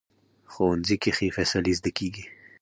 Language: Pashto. ښوونځی کې ښې فیصلې زده کېږي